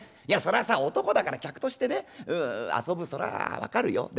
いやそりゃさ男だから客としてね遊ぶそら分かるよ。